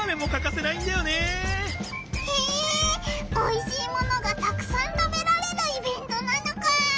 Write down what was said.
へえおいしいものがたくさん食べられるイベントなのか！